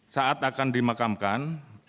saat akan dimakamkan